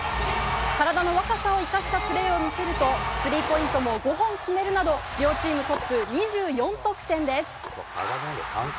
体の若さを生かしたプレーを見せると、スリーポイントも５本決めるなど、両チームトップ２４得点です。